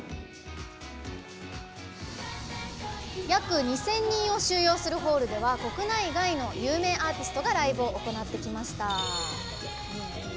約２０００人を収容するホールでは国内外の有名アーティストがライブを行ってきました。